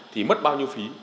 thì mất bao nhiêu phí